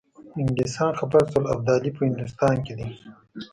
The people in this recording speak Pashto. انګلیسان خبر شول ابدالي په هندوستان کې دی.